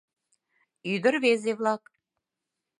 Ӱдыр-рвезе-влак.